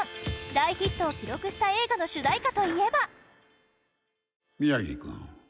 大ヒットを記録した映画の主題歌といえば安西光義：宮城君